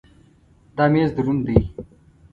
دا مېز دروند دی.